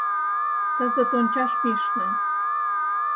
Кызыт ончаш мийышна.